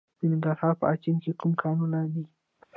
د ننګرهار په اچین کې کوم کانونه دي؟